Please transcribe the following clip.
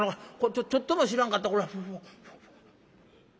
ちょっとも知らんかった」。